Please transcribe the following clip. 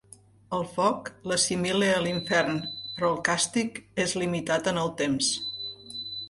El foc l'assimila a l'infern però el càstig és limitat en el temps.